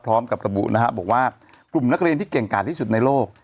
พร้อมกับระบุนะครับบอกว่ากลุ่มนักเรียนที่เก่งกาดที่สุดในโลก